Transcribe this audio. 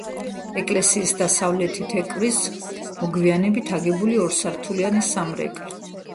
ეკლესიის დასავლეთით ეკვრის მოგვიანებით აგებული ორსართულიანი სამრეკლო.